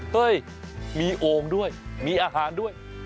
เฮ้ยมีโอ่งด้วยมีอาหารด้วย